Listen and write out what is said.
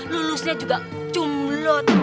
lulusnya juga cumlot